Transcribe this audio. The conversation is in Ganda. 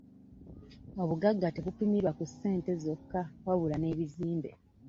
Obugagga tebupimirwa ku ssente zokka wabula n'ebizimbe.